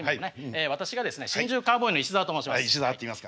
私がですね新宿カウボーイの石沢と申します。